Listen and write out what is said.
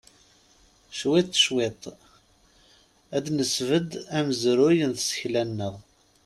Cwiṭ cwiṭ, ad nesbedd amezruy n tsekla-nneɣ.